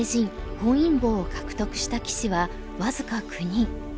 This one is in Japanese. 本因坊を獲得した棋士は僅か９人。